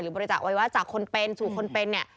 หรือบริจาคไว้ว่าจากคนเป็นสู่คนเป็นเนี่ย